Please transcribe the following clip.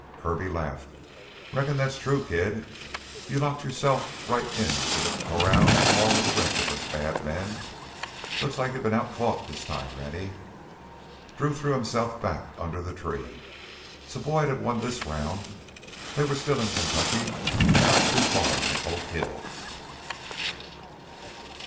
Kirby laughed. "Reckon that's true, kid. You locked yourself right into the corral along with the rest of us bad men. Look's like you've been outfought this time, Rennie." Drew threw himself back under the tree. So Boyd had won this round they were still in Kentucky and not too far from Oak Hill.